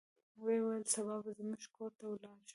ویې ویل سبا به زموږ کور ته ولاړ شو.